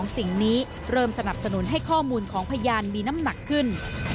สิ่งนี้เริ่มสนับสนุนให้ข้อมูลของพยานมีน้ำหนักขึ้น